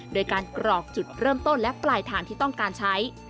โดยการกรอกจุดเริ่มต้นและปลายทางที่ต้องการใช้